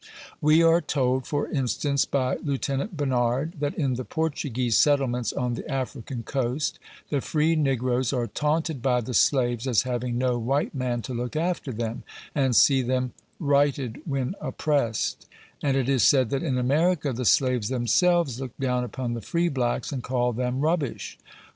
We are told, for instance, by Lieu tenant Bernard*, that in the Portuguese settlements on the African coast, the free negroes are " taunted by the slaves as haying no white man to look after them, and see them righted when oppressed;" and it is said that in America the slaves themselves look down upon the free blacks, and call them rubbish.